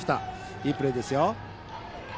いいプレーですよ。